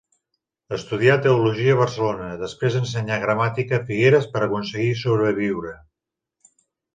Estudià teologia a Barcelona, després ensenyà gramàtica a Figueres per aconseguir sobreviure.